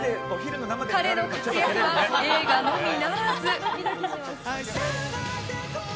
彼の活躍は映画のみならず。